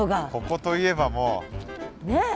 ここといえばもう。ねえ。